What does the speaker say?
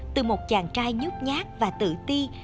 từ một chàng trai nhút nhát và tự ti